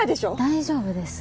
大丈夫です。